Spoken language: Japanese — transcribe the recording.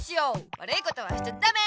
悪いことはしちゃダメ！